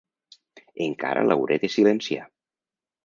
Encara l'hauré de silenciar!